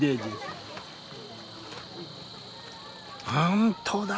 本当だ！